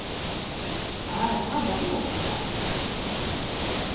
Tā ir laba lieta taču.